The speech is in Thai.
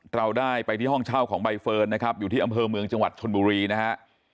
เราได้ไปที่ห้องเช่าของใบเฟิร์นนะครับอยู่ที่อำเภอเมืองจังหวัดชนบุรีนะฮะ